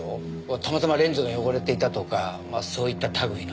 たまたまレンズが汚れていたとかそういった類いの。